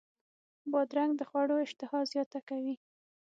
بادرنګ د خوړو اشتها زیاته کوي.